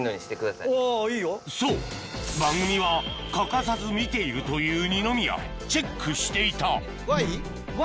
そう番組は欠かさず見ているという二宮チェックしていたＹ？